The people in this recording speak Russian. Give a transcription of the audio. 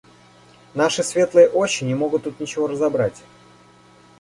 – Наши светлые очи не могут тут ничего разобрать.